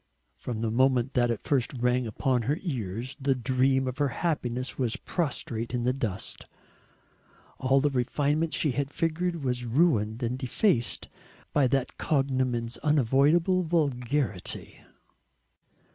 From the moment that it first rang upon her ears, the dream of her happiness was prostrate in the dust. All the refinement she had figured was ruined and defaced by that cognomen's unavoidable vulgarity.